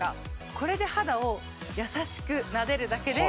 これで肌を優しくなでるだけで。